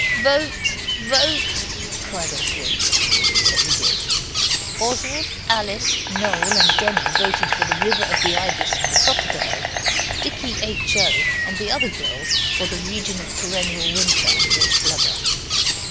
'Vote! vote!' cried Oswald. So we did. Oswald, Alice, Noel, and Denny voted for the river of the ibis and the crocodile. Dicky, H. O., and the other girls for the region of perennial winter and rich blubber.